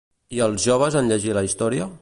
I els joves en llegir la història?